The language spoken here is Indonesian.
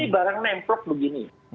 ini barang nempelok begini